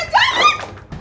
mak udah mak